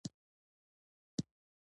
هره ورځ خواړه پخوم